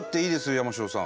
山城さん。